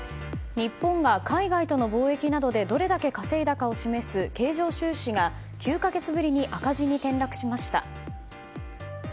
日本が海外との貿易などでどれだけ稼いだかを示す経常収支が９か月ぶりに赤字に転落しました。